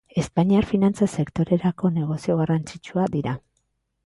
Espainiar finantza sektorerako negozio garrantzitsua dira.